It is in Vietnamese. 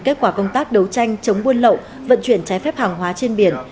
kết quả công tác đấu tranh chống buôn lậu vận chuyển trái phép hàng hóa trên biển